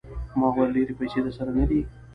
ما وویل ډېرې پیسې درسره نه دي.